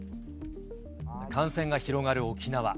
感染が広がる沖縄。